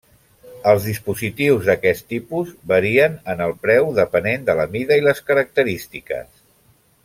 Els dispositius d'aquest tipus varien en el preu depenent de la mida i les característiques.